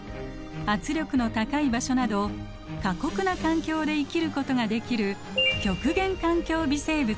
圧力の高い場所など過酷な環境で生きることができる極限環境微生物です。